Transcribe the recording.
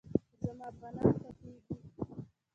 زما افغانان خوښېږي